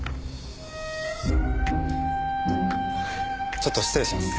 ちょっと失礼します。